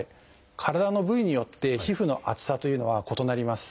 体の部位によって皮膚の厚さというのは異なります。